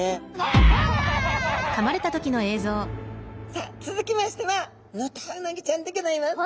さあつづきましてはヌタウナギちゃんでギョざいます。